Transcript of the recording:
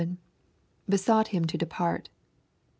— [Besought him to depart."